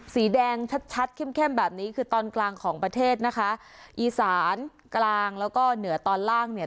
สีแดงชัดชัดเข้มเข้มแบบนี้คือตอนกลางของประเทศนะคะอีสานกลางแล้วก็เหนือตอนล่างเนี่ย